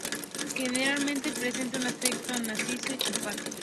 Generalmente presenta un aspecto macizo y compacto.